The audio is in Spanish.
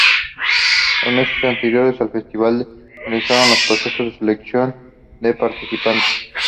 Los meses anteriores al festival se realizaron los procesos de selección de participantes.